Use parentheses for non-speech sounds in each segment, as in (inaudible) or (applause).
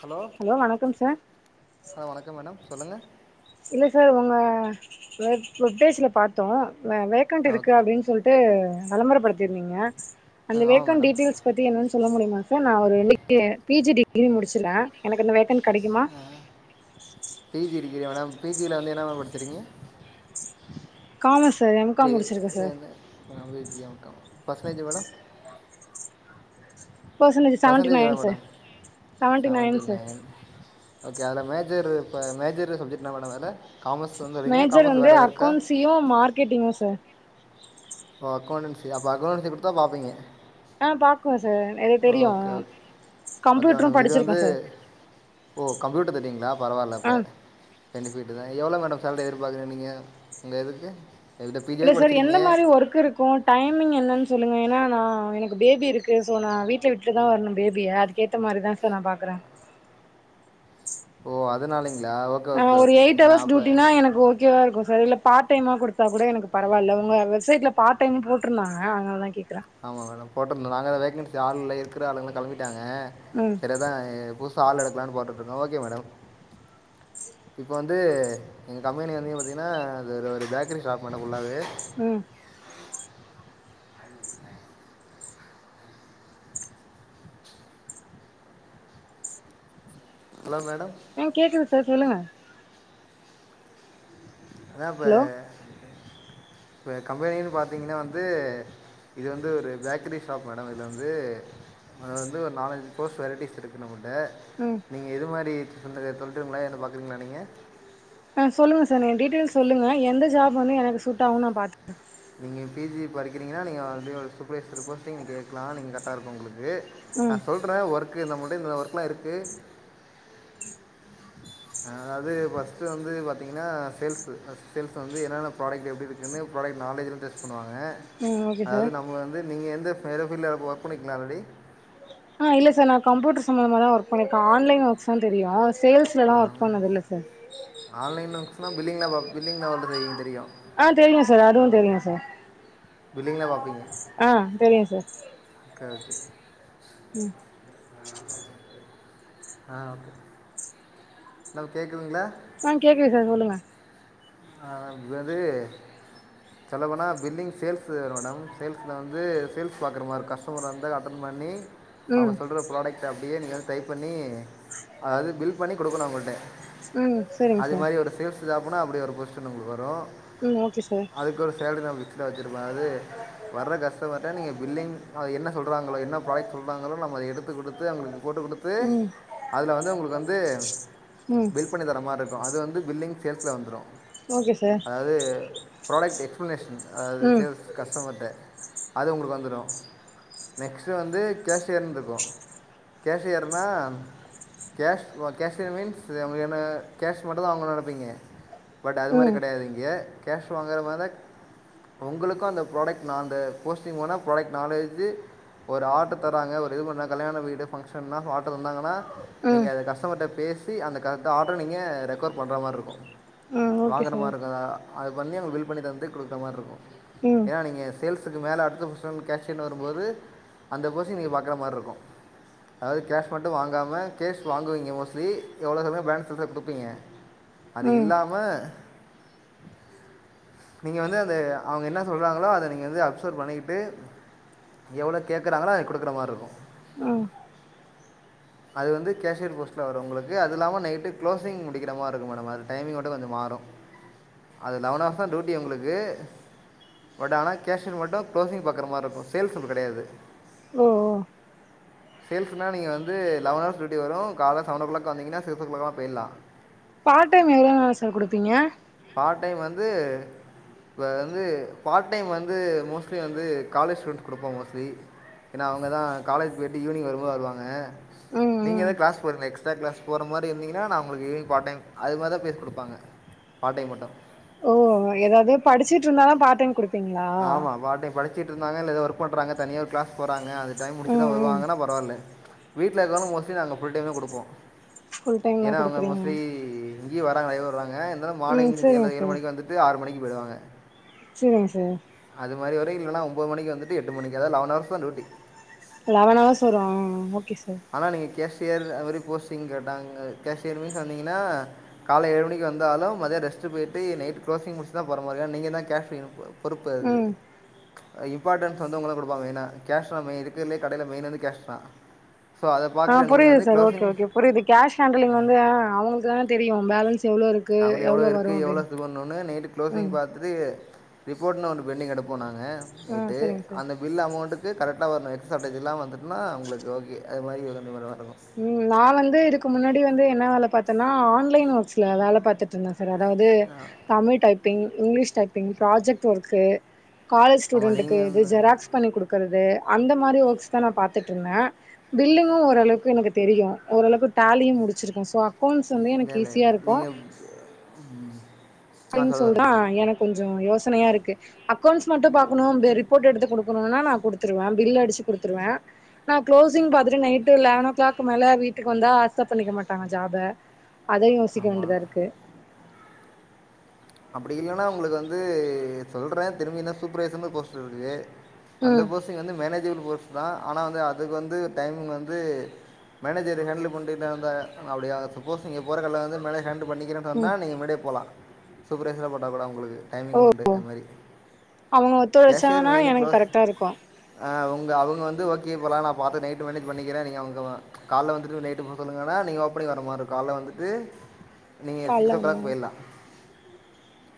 hello வணக்கம் sir ஆ வணக்கம் மேடம் சொல்லுங்க இல்ல சார் உங்க வெப் வெபேஜில பாத்தோ வேக்கண்ட் ஆ இருக்கு ஓகே அப்படின்னு சொல் ட்டு விளம்பரப்படுத்தியிருந்தீங்க ஆ அந்த ஆமாம் வேக்கண்ட் மேடம் டீட்டெயில்ஸ் பத்தி என்னன்னு சொல்ல முடியுமா சார் நா ஒரு பி ஜி டிகிரி முடிச்சிருக்கே எனக்கு அந்த வேகண்ட் கிடைக்குமா அ பி ஜி டிகிரியா மேடம் பி ஜி ல வந்து என்ன மேம் படிச்சிருக்கீங்க காமஸ் சார் எம் காம் முடிச்சிருக்கே sir commerce with M com percentage madam seventy percentage எவ்ளோ nine sir madam seventy nine okay அதுல மேஜர் இப்ப மேஜர் சப்ஜெக்ட் என்னா மேடம் அதுல காமர்ஸ்சுன்னு சொல்றீங்க காமர்ஸ் வேற எதோ இருக்கா தியோ மார்க்கெட்டிங்கு சார் ஓ அக்கௌண்டன்சி அப்போ அக்கௌண்டன்சி குடுத்தா பாப்பீங்க ஆ பாக்குவ சார் எனக்கு தெரியு ஓகே ஓகே கம்ப்யூட்டரும் மேடம் இது படிச்சிருக்கே வந்து சார் ஓ கம்ப்யூட்டரும் தெரியுங்ளா பரவால்ல ஆ அப்ப பெனிஃபிட்டு தா எவ்ளோ மேடம் சேலரி எதிர்பாக்குறீங்க நீங்க உங்க இதுக்கு இதில் பிஜி இல்ல வரைக்கும் சார் என்ன படிச்சிருக்கீங்க மாறி ஒர்க் இருக்கும் டைமிங் என்னன்னு சொல்லுங்க ஏன்னா நா எனக்கு பேபி இருக்கு சோ நா வீட்ல விட்டு தா வரணு பேபியை அதுக்கேத்த (unintelligible) மாரிதா சா நா பாக்குறே ஓ அதுனளைங்களா ஓக் ஆ ஒரு எயிட் ஹவர்ஸ் டியூட்டினா எனக்கு ஓக் கேவ இருக்கு சார் இல்ல பார்ட் டைமா குடுத்தா கூட எனக்கு பரவால்ல உங்க வெப்சைட் பார்ட் டைம் போட்டு இருந்தாங்க அதுனாலதா கேக்குறே ஆமாம் மேடம் போட்டிருந்தோ நாங்கதா வேக்கன்சி ஆள் இல்ல இருக்கிற ஆளுங்களு களம்பிட்டாங்க ம் எதா புதுசு ஆள் எடுக்கலாம்னு போட்டுட்ருக்கோ ஓகே மேடம் இப்ப வந்து எங்க கம்பெனி வந்த நீங்க பாத்தீங்கன்னா அது ஒரு ஒரு பேக்கரி ஷாப்பு மேடம் ஃபுல்லாவே ம் ஹலோ மேடம் ஆ கேக்குது சார் சொல்லுங்க அதா இப்ப ஹலோ இப்ப கம்பெனினு பாத்தீங்கன்னா வந்து இது வந்து ஒரு பேக்கரி ஷாப் மேடம் இதுல வந்து அது வந்து ஒரு நாலஞ்சு பர்ஸ் வெரைட்டிஸ்ஸு இருக்கு நம்மிட்ட ம் நீங்கள் எது மாரி (unintelligible) சொல்ட்டுங்களா என்ன பாக்குறீங்களா நீங்க ஆ சொல்லு சார் நீங்க எ டீட்டெயில்ஸ் சொல்லுங்க எந்த ஜாப் வந்து எனக்கு சூட் ஆவு நா பாத்து (inaudible) நீங்க பி ஜி படிக்கிறீங்கன்னா நீங்க வந்து ஒரு சூப்பர்வைசர் போஸ்டிங் நீங்க கேட்கலா நீங்க கரெக்டா இருக்கு உங்களுக்கு ம் ந சொல்றே ஒர்க் நம்முள்ட்ட இந்த ஒர்க்ல்லா இருக்கு அதாவ்து ஃபஸ்ட்டு வந்து பாத்தீங்கன்னா சேல்ஸ்ஸு அ சேல்ஸ் வந்து என்னென்ன ப்ராடக்ட் எப்டிருக் குனு ப்ராடக்ட் நாலேஜ்லா டெஸ்ட் பண்ணுவாங்க ம் ஓகே சார் அதாவ்து நம்ம வந்து நீங்க எந்த ஃப் எந்த ஃபீல்ட் ஒர்க் பண்ணிருக்கிங்களா ஆல்ரெடி ஆ இல்ல சார் நா கம்யூட்ரு சம்மந்தமா தா ஒர்க் பண்ணிருக்கே ஆன்லைன் ஒர்க்ஸ் தா தெரியு சேல்ஸ்லலா ஒர்க் ஆல்ரெடி பண்ணது இல்ல சா ஆன்லைன் ஒர்க்ஸுனா பில்லிங்ல ஒர்க் பில்லிங் (unintelligible) தெரியு அ தெரியு சா அதுவு தெரியு சா பில்ங்கில்ல பாப்பீங்க ஆ தெரியு சார் ஓகே ஓகே ம் ஆ ஓகே ஹலோ கேக்குதுங்களா ஆ கேக்குது சார் சொல்லுங்க ஆ (unintelligible) (inaudible) சொல்லப்போனா பில்லிங் சேல்ஸு வரு மேடம் சேல்ஸில வந்து சேல்ஸ் பாக்குற மாரி கஸ்டமர் வந்த அட்டன் பண்ணி ம் அவுங்க சொல்லுற ப்ரோடெக் டா அப்டியே நீங்க வந்து டைப் பண்ணி அதாவ்து பில் பண்ணி குடுக்கணு அவுங்களிட்ட ம் சரிங்க அது சார் மாரி ஒரு சேல்ஸ்ஸு ஜாப்புனா அப்டி ஒரு பொசிஷன் உங்களுக்கு வரு ம் ஓகே சார் அதுக்கு ஒரு சேல்ரி நா ஃபிஸேட் வச்சுருப்பே அது வர்ற கஸ்டமர்ட்ட நீங்க பில்லிங் அது என்ன சொல்றாங்களோ என்ன ப்ராடக்ட் சொல்றாங்களோ நம்ம அத எடுத்து குடுத்து அவுங்களுக்கு போட்டு குடுத் து ம் அதுல வந்து உங்களுக்கு வந்து ம் பில் பண்ணி தர மாரி இருக்கு அது வந்து பில்லிங் சேல்ஸ்ஸுல வந்துரு ஓகே சார் அது ப்ராடக்ட் எக்ஸ்ப்ளனேஷன் அது ம் சேல்ஸ் கஸ்டமர்ட்ட அது உங்ளுக்கு வந்துடு நெக்ஸ்ட்டு வந்து கேஷ் யர்ன் ருக்கு கேஷியர்னா கேஷ் வா கேஷியர் மீன்ஸு நம் என கேஷ் மட்டுதா அவ்ங்க நடப்பீங்க பட் அது மாரி ம் கிடையாத் இங்கே கேஷ் வாங்குற மாதக் உங்குளுக்கு அந்த ப்ராடக்ட் நா அந்த போஸ்டிங் போனா ப்ரொடக்ட் நாலேஜு ஒர் ஆட்ட தராங்க ஒரு இது பண்ணா கல்யாண வீடு ஃபங்க்ஷன்னா ஆட்ட இருந்தாங்கன்னா நீங்க ம் அது கஸ்டமர்ட்ட பேசி அந்த கரட் ஆட்ரு நீங்க ரெக்கோர் பண்ற மார் ருக்கு ம் ஓகே வாங்குற சார் மார் ருக்குதா அது பண்ணி அங்க பில் பண்ணி தந்து குடுக்ற மார் ருக்கு ம் ஏனா நீங்க சேல்ஸுக்கு மேல அடுத்த பொஷன் கேஷ்யன் வரும்போது அந்த போசி நீங்க பாக்குற மார் ருக்கு அதாவ்து கேஷ் மட்டு வாங்காம கேஷ் வாங்குவீங்க மோஸ்லி எவ்ளோ சமே ப்லான்ஸ் லதா குடுப்பீங்க அது ம் இல்லாம நீங்க வந்து அந்த அவ்ங்க என்ன சொல்றாங்களோ அத நீங்கந்து அப்சர்வ் பண்ணிக்கிட்டு எவ்ளோ கேக்குறாங்களோ அது கொடுக்குற மார் ருக்கு அ அது வந்து கேஷியர் போஸ்ட்ல வரு உங்ளுக்கு அது இல்லாம நைட்டு க்ளோஸிங் முடிக்கிற மார் ருக்கு மேடம் அது டைமிங் மட்டு கொஞ்ச மாறு அது லவனஹஸ்தா டூட்டி உங்ளுக்கு பட் ஆனா கேஷியர் க்ளேசிங் பாக்குற மார் ருக்கு சேல்ஸ் நம்மு கெடையாது ஓஓ சேல்ஸுனா நீங்க வந்து லவன் ஹாஸ் ட்யூட்டி வரு கால சவன் ஓ க்ளாக் வந்தீங்கன்ன சிக்ஸ்ஓ க்ளாக்லா போய்லா பாட் டைம் எவ்ளோ நாலா சர் குடுப்பீங்க பாட் டைம் வந்து ப வந்து பாட் டைம் வந்து மோஸ்லி வந்து காலேஜ் ஸ்டூண்ட் குடுப்போ மோஸ்லி ஏன்னா அவங்க தான் காலேஜ் போய்ட்டு வருவா வருவாங்க ம் நீ ம் ஏதா க்ளாஸ் போரீங்ளா எக்ஸ்டரா க்ளாஸ் போற மாரி இருந்தீங்கன்னா நஞ உங்ளுக்கு பா டைம் அது மாரிதா பேஸ் குடுப்பாங்க பாட் டைம் மட்டு போவோ எதாவ்து படிச்சிட்ருந்தாலு பாடைம் குடு ஆமா பாடைம் படிச்சிட்ருந்தாங்கல் எதோ ஒர்க் பண்றாங்க தனியாவ் க்ளாஸ் போறாங்க அது டைம் முடிச்சுதான் ம் ம் வருவாங்கன்னா பரவால்ல வீட்ல இர்க்கவனு மோஸ்லி நாங்க ஃபுல் டைமே குடுப்போ ஃபுல் ஏன்னா டைம்லாம் அவங்க குடுக்குறீங்க மோஸ்ட்லி இங்யே வராங்க ஏரோ வராங்க இந்தாலு ம் மார்னிங் சரிங்க ஏழ்ற ஏழு சார் மணி வந்துட்டு ஆரு மணிக்கி போய்டுவாங்க ச்செரிங் சர் அது மாரி வர இல்லன்னா ஒம்போது மணிக்கு வந்துட்டு எட்டு மணிக்கு அதா லவன்ஹாஸ் தா டூட்டி லவன் ஹார்ஸ் வரு ஆ ஓகே சார் ஆனா நீங்கு கேஷியர் அமாரி போஸ்டிங் கேட்டாங்க கேஷியர் மீன்ஸ் வந்தீங்கின்னா கால ஏழு மணிக்கு வந்தாலு மதிய ரெஸ்ட்டு போய்ட்டு நைட்டு க்ளோசிங் முட்ச்சு தா போர மாங்க நீங்க தா கேஷ்லின் போம் பொறுப்பு அது ம் அ இம்பாட்டன்ஸ் வந்து உங்கள குடுப்பாங் மெய்னா கேஷ் ஆன் மே இருக்குற்லே கடைய்ல மெய்ன் வந்து கேஷ் தா ஸோ அத பாக்ற நீங்க வந்து க்லோஸிங்ஸ் ஒர் இது கேஷ் ஹேண்டலிங் வந்து ஆ அவங்களுக்கு தான தெரியு பேலன்ஸ் எவ்ளோருக் அவுளி எவ்ளோ இருக்கு எவ்ளோ து பன்னுனு நேட்டு க்லோஸிங் ம் பாத் இது ரிப்போரனட்னு ஒன்னு பெண்டிங் எடுப்போ நாங்க ஆ நைட்டு சரிங்க சார் அந்தவ் பில் அமௌண்ட்டுக்கு கரெக்டா ஒன்னு நெக்ஸ் சார்ட்டேஜ்ஜெல்லாம வந்துட்டுன்னா உங்களுக்கு ஓகே அது மாரி (unintelligible) ம் நா வந்து இதுக்கு முன்னாடி வந்து என்ன வேல பாத்தேன்னா ஆன்லைன் ஒர்க்ஸ்ல வேல பத்துட் இருந்த சார் அதாவது Tamil typing English typing project work college ஆமாம் ஸ்டூடண்டுக்கு நீங்கள் இது ஜெராக்ஸ் பண்ணி குடுக்குறது அந்த மாரி ஒர்க்ஸ் தா நா பாத்துட்டுருந்தே பில்லிங்கு ஓரளவுக்கு எனக்கு தெரியு ஓரளவுக்கு டலியு முடிச்சிருக்கே ஸோ அக்கௌண்ட்ஸ்மே எனக்கு ஈஸியா இருக்கு ம் அப்டின்னு சொல்டுதா எனக்கு கொஞ்சோ யோசனயா இருக்கு அக்கௌண்ட்ஸ் மட்டு பாக்கணு ப ரிப்போர்ட் எடுத்து குடுக்கணும்னா நா குடுத்துருவ பில் அடிச்சு குடுத்துருவ நா க்ளோசிங் பாத்துட்டு நைட்டு லெவன் ஓ கிளாக் மேல வீட்டுக்கு வந்த ஆக்சப்ட் பண்ணிக்க மாட்டங்க ஜாப் அ அதையு யோசிக்க ஆமாம் வேண்டிதா இருக்கு அப்டி இல்லன்னா உங்களுக்கு வந்து சொல்ற திரும்பினா சூப்பர் வைஸ்சரனு போஸ்ட் இருக்கு அந்த ம் போஸிங் வந்து மேனேஜிபிள் போஸ் தா ஆனா வந்து அதுக்கு வந்து டைமிங் வந்து மேனேஜர் ஹேண்டுல் பண்ட்டுத அந்த அப்டியா சப்போஸ் நீங்க போற கடைல வந்து மேனேஜ ஹேண்டல் பண்ணிக்கிற ன்னா நீங்க முன்னாடியே போலா சூப்பர்ரைஸரா போட்டா கூட உங்களுக்கு டைமிங் உண்டு அது மாரி அவங்க கேஷியர் ஒத்துழைச்சானா மெயின எனக்கு க்ளோஸ் கரெக்டா இருக்கு ஆ உங்க அவங்க வந்து ஓகே இப்போலா நா பாத்து நைட்டு மேனேஜ் பண்ணிக்கிறே நீங்க உங்கவா கால்ல வந்துட்டு நைட்டு போக சொல்லுங்கன்னா நீங்க ஓப்பனி வர மாரிருக் கால்ல வந்துட்டு நீங்க சிக்ஸ் கால்ல ஓ கிளாக் போயிட்லா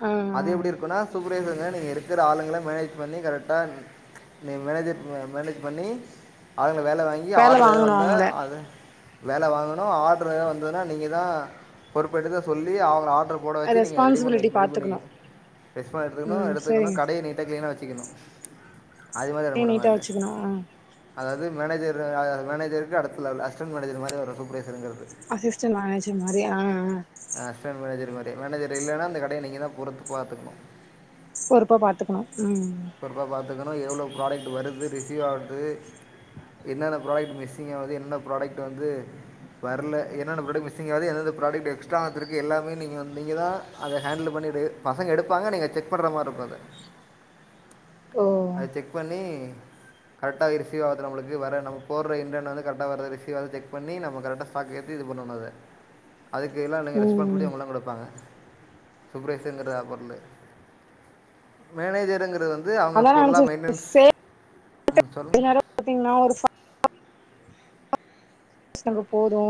ம் அது எப்டி இருக்குன்னா சூப்பர்ரைசருங்க நீங்க இருக்ற ஆளுங்கள மேனேஜ் பண்ணி கரெக்டா நீங்க மேனேஜர் மேனேஜ் பண்ணி அளுங்கள வேல வாங்கி வேல ஆர்டரு எது வாங்கணு வந்தா அவங்கள அது வேல வாங்கணு ஆர்ட்ரு எது வந்ததுனா நீங்க தா பொறுப் எடுக்க சொல்லி அவங்கள ஆர்ட்ரு போட வச்சு நீங்க ரெடி பண்ண ரெஸ்பான்சிபிலிட்டி வைக்க ரெடி பண்ண பாத்துக்கணு வைக்கனு ரெஸ்பா எடுத்துக்கணு ம் எடுத்துக்கனு சரிங்க கடைய நீட்டா கிளீன்னா வச்சுக்கணு அதே மாரி வர சார் மாட்ட நீட்டா வேல வச்சுக்கணு ஆ அதாவது மேனேஜர் அ மேனேஜருக்கு அடத்துல அஸ்டன்ட் மேனஜர் மாரி வரும் சூப்பர்வெயிசர்கது அசிஸ்டன்ட் மேனேஜர் மாரி அ அ ஆ அசிஸ்டன்ட் மேனேஜர் மாரி மேனேஜர் இல்லன்னா அந்த கடைய நீங்க தா பொறுத்து பாத்துக்கணு பொருப்பா பாத்துக்கணு ம் பொறுப்பா பாத்துக்கணு எவ்ளோ ப்ராடக்ட் வருது ரிசீவ் ஆகுது என்னென்ன ப்ராடக்ட் மிஸ்ஸிங்காவுது என்னென்ன ப்ராடெக்ட் வந்து வர்ல என்னென்ன ப்ராடெக்ட் மிக்சுங் ஆவுது என்னென்ன ப்ராடெக்ட் எக்ஸ்ட்ரா வந்துருக்கு எல்லாமே நீங்க நீங்கதா அத ஹேண்டில் பண்ணிடு பசங்க எடுப்பாங்க நீங்க செக் பண்ற மாரிருக்கு அத ஓ அது செக் பண்ணி கரெக்டா அ ரிசீவ் வாகுது நம்ளுக்கு வர நம்ம போட்ற இன்டர் வந்து கரெக்ட்டா வர்த ரிசவ் வர்த செக் பண்ணி நம்ம கரெக்டா பேக்கேஜ் இது பண்ணனு அத அதுக்கெல்லா நீங்க ம் ரெஸ்பான்சிபிலிடி உங்கெலாதா குடுப்பாங்க சூப்பர்வைசர்ங்கிறது அ பொருளு மேனேஜருங்கிறது வந்து அவுங்க அதா ஃபுல்லா நெனச்சே மெயின்டன்ஸ் ம் சொல்லுங் ஓகேங் நா ஒரு ஃபா ஷங்கு போது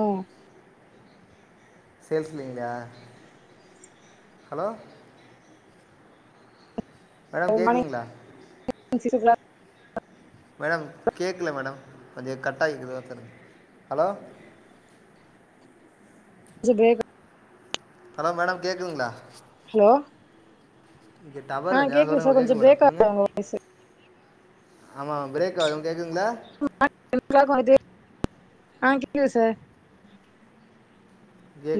சேல்ஸ்லிங்ளயா ஹலோ மேடம் மார்னிங் கேக்குதுங்களா (inaudible) மேடம் கேக்கல மேடம் கொஞ்சோ கட் ஆகி கேக்குது ஹலோ ச கேக்கு ஹலோ மேடம் கேக்குதுங்ளா ஹலோ இங்க டவரு கொஞ்சோ ஆ சொல்லுங்க சார் கொஞ்ச கேக்குது மேடோ பிரேக் சொல்லுங்க ஆகுது உங்க வாய்ஸ் சிக்ஸ் ஆமா பிரேக்காது கேக்குதுங்ளா (inaudible) ஆ கேக்குது சர்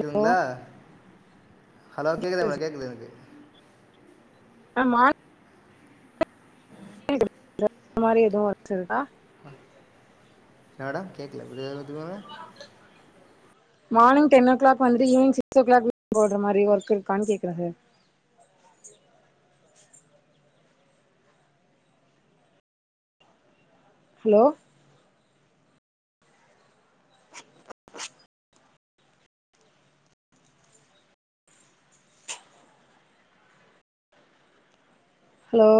ஹலோ ஹலோ கேக்குதா (unintelligible) கேக்குது எனக்கு ஆமா (inaudible) அந்த மாரி எதுவு வச்சிருதா என்னடா கேக்கல இன்னோர் வாட்டி சொல்லுங்க மார்னிங் டென்ஓ க்ளாக் வண்ட்டு ஈவ்னங் சிகஸ் ஓ க்ளாக் போய்ட்ற மாரி ஒர்க் இருக்கான் கேக்குற சர் ஹலோ ஹலோ